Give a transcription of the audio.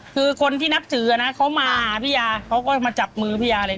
คือคนที่นับถือนะเขามาพี่ยาเขาก็มาจับมือพี่ยาเลย